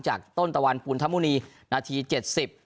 จากต้นตะวันปุณฑมุณีนาทีเจ็ดสิบ